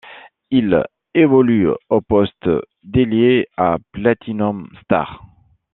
Il évolue au poste d'ailier à Platinum Stars.